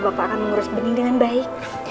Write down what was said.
bapak akan mengurus bening dengan baik